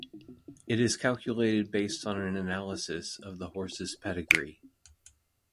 It is calculated based on an analysis of the horse's pedigree.